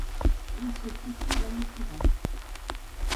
Il se suicide l'année suivante.